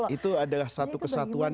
itu adalah satu kesatuan